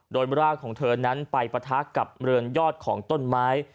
โดยรากของเธอนั้นไปปะทะกับเรือนยอดของต้นไม้